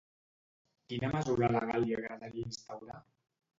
Quina mesura legal li agradaria instaurar?